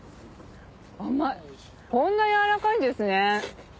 甘いこんな軟らかいんですね。